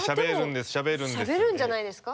でもしゃべるんじゃないですか？